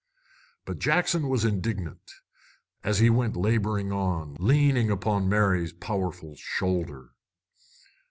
But Jackson was indignant, as he went laboring on, leaning upon Mary's powerful shoulder.